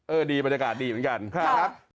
เออบรรยากาศดีเหมือนกัน